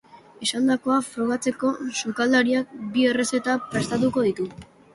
Esandakoa frogatzeko, sukaldariak bi errezeta prestatuko ditu.